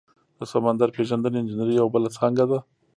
د سمندر پیژندنې انجنیری یوه بله څانګه ده.